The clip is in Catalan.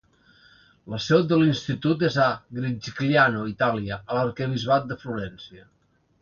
La seu de l'institut és a Gricigliano (Itàlia), a l'Arquebisbat de Florència.